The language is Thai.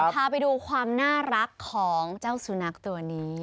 พาไปดูความน่ารักของเจ้าสุนัขตัวนี้